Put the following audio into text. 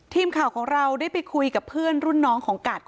ทีมข่าวของเราได้ไปคุยกับเพื่อนรุ่นน้องของกัด